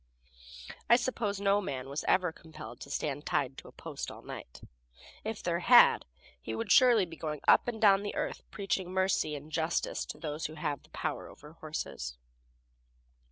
I suppose no man was ever compelled to stand tied to a post all night; if there had, he would surely be going up and down the earth preaching mercy and justice to those who have the power over horses.